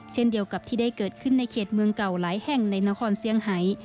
เช่นเดียวกับที่ได้เกิดขึ้นในเขตเมืองเก่าหลายแห่งในนครเซียงไฮ